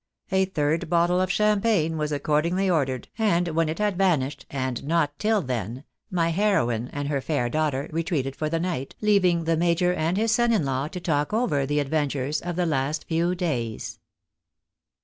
A third bottle of champagne was accordingly ordered, and when it had vanished, and not till then, my heroine and her fair daughter retreated for the night, leaving the major and his son in law to talk over the adventures of the last few days.